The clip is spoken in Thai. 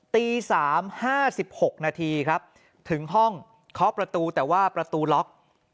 ตี๓๕๖นาทีครับถึงห้องเคาะประตูแต่ว่าประตูล็อก